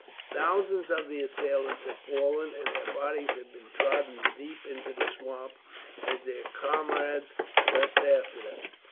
Thousands of the assailants had fallen, and their bodies had been trodden deep into the swamp, as their comrades pressed after them.